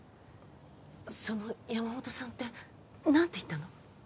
その山本さんって何て言ったの？